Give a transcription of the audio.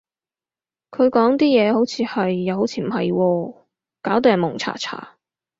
佢講啲嘢，好似係，又好似唔係喎，搞到人矇查查